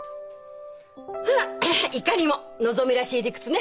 はあいかにものぞみらしい理屈ね！